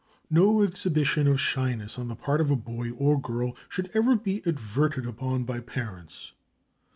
No exhibition of shyness on the part of a boy or girl should ever be adverted upon by parents.